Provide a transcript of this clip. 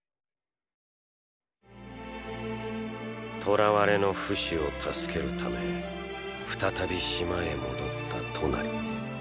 捕らわれのフシを助けるため再び島へ戻ったトナリ。